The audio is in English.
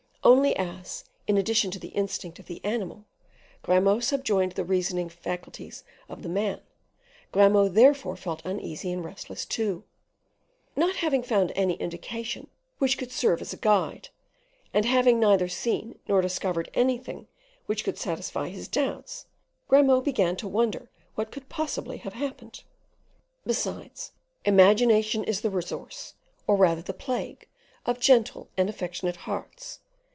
Only as, in addition to the instinct of the animal, Grimaud subjoined the reasoning faculties of the man, Grimaud therefore felt uneasy and restless too. Not having found any indication which could serve as a guide, and having neither seen nor discovered anything which could satisfy his doubts, Grimaud began to wonder what could possibly have happened. Besides, imagination is the resource, or rather the plague of gentle and affectionate hearts.